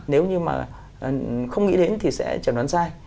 nếu như mà không nghĩ đến thì sẽ chẩn đoán sai